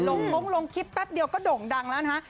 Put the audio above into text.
คงลงคลิปแป๊บเดียวก็โด่งดังแล้วนะฮะ